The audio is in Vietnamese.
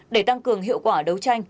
để tăng cường hiệu quả đấu tranh